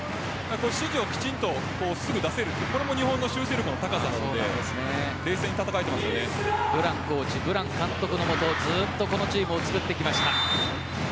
指示をきちんとすぐ出せるこれも日本の修正力の高さなのでブランコーチブラン監督のもとずっとこのチームを作ってきました。